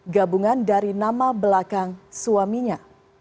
gabungan dari nama belakang suaminya